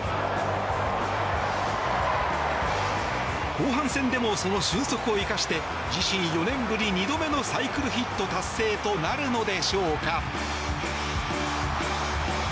後半戦でもその俊足を生かして自身４年ぶり２度目のサイクルヒット達成となるのでしょうか。